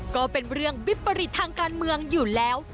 ก็เป็นเรื่องวิปริตทางการเมืองอยู่แล้ว